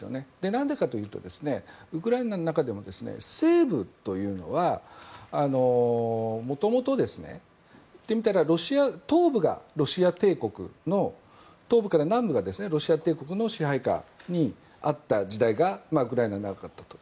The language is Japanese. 何でかというとウクライナの中でも西部というのはもともと、言ってみたら東部から南部が、ロシア帝国の支配下にあった時代がウクライナは長かったと。